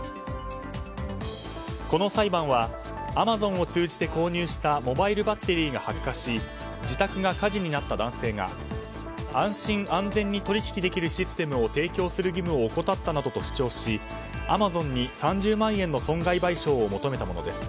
この裁判はアマゾンを通じて購入したモバイルバッテリーが発火し自宅が火事になった男性が安心・安全に取引できるシステムを提供する義務を怠ったなどと主張しアマゾンに３０万円の損害賠償を求めたものです。